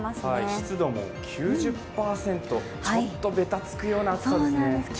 湿度も９０％、ちょっとベタつくような暑さですね。